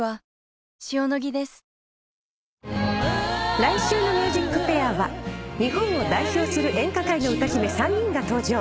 来週の『ＭＵＳＩＣＦＡＩＲ』は日本を代表する演歌界の歌姫３人が登場。